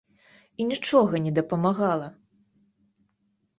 І нічога не дапамагала.